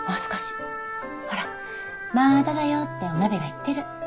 ほら「まあだだよ」ってお鍋が言ってる。